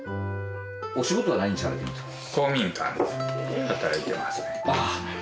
お仕事は何されてるんですか？